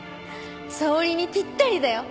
沙織にぴったりだよ。